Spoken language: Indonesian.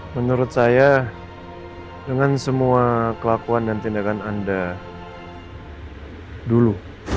menurut saya dengan semua kelakuan dan tindakan anda dulu